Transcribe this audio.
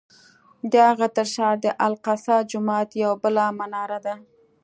د هغه تر شا د الاقصی جومات یوه بله مناره ده.